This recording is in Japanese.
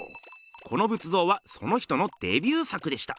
この仏像はその人のデビュー作でした。